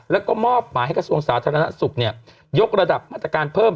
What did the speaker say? แล้วก็มอบหมายให้กระทรวงสาธารณสุขยกระดับมาตรการเพิ่ม